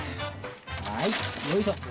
はい、よいしょ。